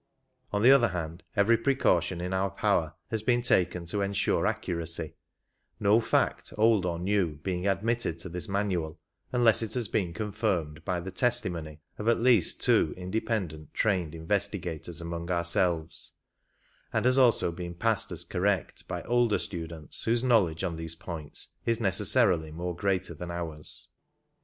On the other hand every precaution in our power has been taken to ensure accuracy, no fact, old or new, being admitted to this manual unless it has been confirmed by the testimony of at least two independent trained investigators among ourselves, and has also been passed as correct by older students whose knowledge on these points is necessarily much greater than ours.